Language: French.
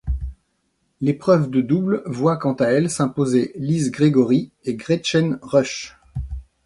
L'épreuve de double voit quant à elle s'imposer Lise Gregory et Gretchen Rush.